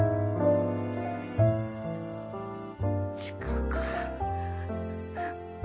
違うか。